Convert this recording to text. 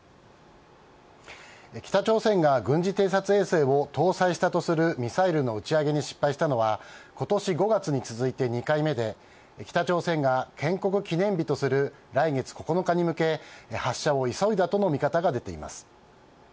北朝鮮が軍事偵察衛星を搭載したとするミサイルの打ち上げに失敗したのは今年５月に続いて２回目で北朝鮮が建国記念日とする来月９日に向け発射を急いだとの見方が出ています。